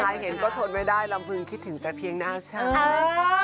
เห็นก็ทนไม่ได้ลำพึงคิดถึงแต่เพียงหน้าฉัน